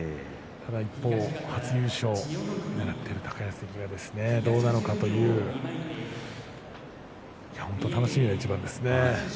一方、初優勝をねらっている高安はどうなのかという本当に楽しみな一番ですね。